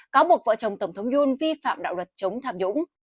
cáo buộc vợ chồng tổng thống yoon vi phạm đạo luật chống tham dũng